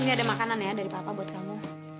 ini ada makanan ya dari papa buat kamu